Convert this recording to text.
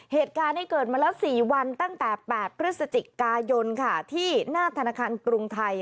เหตุการณ์นี้เกิดมาแล้ว๔วันตั้งแต่๘พฤศจิกายนค่ะที่หน้าธนาคารกรุงไทย